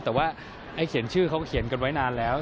แต่ว่าไอ้เขียนชื่อเขาเขียนกันไว้นานแล้ว